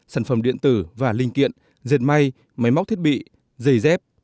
sản phẩm điện tử và linh kiện dệt may máy móc thiết bị giày dép